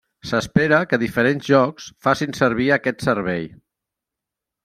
S'espera que diferents jocs facin servir aquest servei.